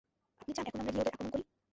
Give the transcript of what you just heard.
আপনি চান এখন আমরা গিয়ে ওদের আক্রমণ করি?